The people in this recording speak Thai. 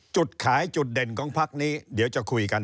จุดขายจุดเด่นของพักนี้เดี๋ยวจะคุยกัน